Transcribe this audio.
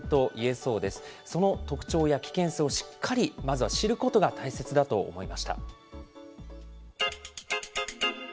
その特徴や危険性をしっかりまずは知ることが大切だと思いました。